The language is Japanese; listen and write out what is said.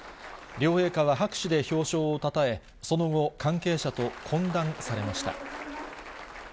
両陛下は拍手で表彰をたたえ、その後、関係者と懇談されました。